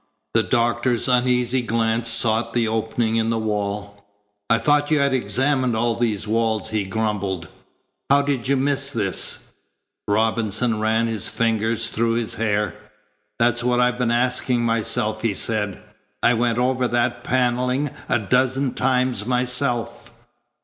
The doctor's uneasy glance sought the opening in the wall. "I thought you had examined all these walls," he grumbled. "How did you miss this?" Robinson ran his fingers through his hair. "That's what I've been asking myself," he said. "I went over that panelling a dozen times myself."